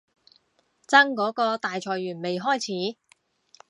真嗰個大裁員未開始